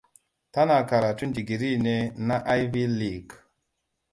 Tana karatun digiri ne na Ivy League.